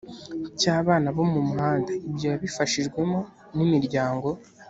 cy abana bo mu muhanda ibyo yabifashijwemo n imiryango